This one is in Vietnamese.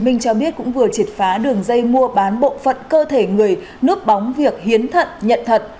minh cho biết cũng vừa triệt phá đường dây mua bán bộ phận cơ thể người núp bóng việc hiến thận nhận thật